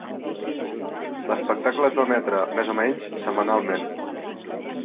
L"espectacle es va emetre, més o menys, setmanalment.